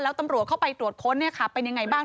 แล้วตำรวจเข้าไปตรวจค้นเป็นยังไงบ้าง